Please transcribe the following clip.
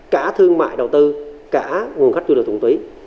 cả thương mại đầu tư cả nguồn khách du lịch quốc tế